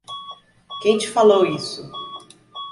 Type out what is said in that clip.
Quem te falou isso?